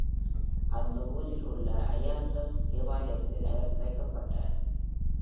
அந்த ஊரில் உள்ள ஐயாசஸ் தேவாலயத்தில் அவர் புதைக்கப்பட்டார்.